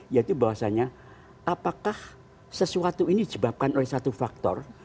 yaitu bahwasannya apakah sesuatu ini disebabkan oleh satu faktor